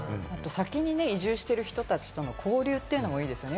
先に移住している人たちとの交流というのもいいですよね。